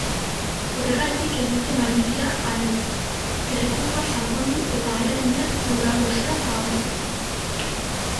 Horregaitik egiten ari dira ahaleginak, berrikuntzan sakondu eta ahaleginak lurralde osora zabaltzeko.